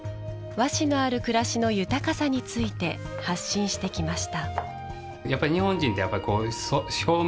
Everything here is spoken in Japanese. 和紙のある暮らしの豊かさについて発信してきました。